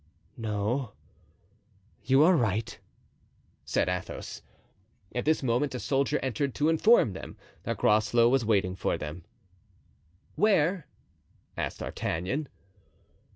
"No, you are right," said Athos. At this moment a soldier entered to inform them that Groslow was waiting for them. "Where?" asked D'Artagnan.